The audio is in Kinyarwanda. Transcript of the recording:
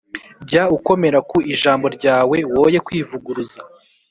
Jya ukomera ku ijambo ryawe, woye kwivuguruza,